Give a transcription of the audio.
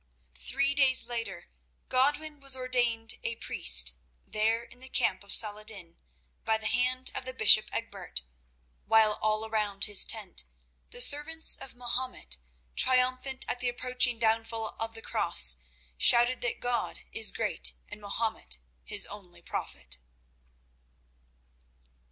Three days later Godwin was ordained a priest, there in the camp of Saladin, by the hand of the bishop Egbert, while around his tent the servants of Mahomet, triumphant at the approaching downfall of the Cross, shouted that God is great and Mahomet His only prophet.